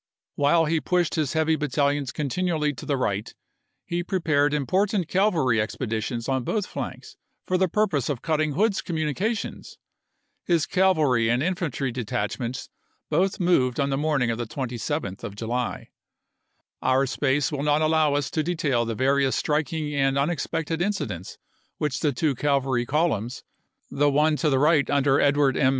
While he pushed his heavy battalions continually to the right he prepared important cavalry expeditions on both flanks for the purpose ATLANTA 279 of cutting Hood's communications. His cavalry chap, xii and infantry detachments both moved on the morning of the 27th of July. Our space will not ism. allow us to detail the various striking and unex pected incidents which the two cavalry columns, the one to the right under Edward M.